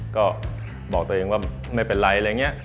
ก็บอกตัวเองว่าไม่เป็นไรอะไรอย่างนี้